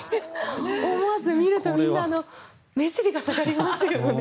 思わず、見るとみんな目尻が下がりますよね。